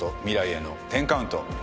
『未来への１０カウント』。